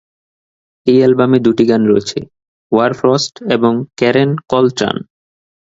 এই অ্যালবামে দুটি গান রয়েছে, "হোয়ারফ্রস্ট" এবং "ক্যারেন কলত্রান"।